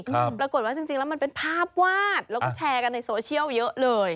ปรากฏว่าจริงจริงแล้วมันเป็นภาพวาดแล้วก็แชร์กันในโซเชียลเยอะเลย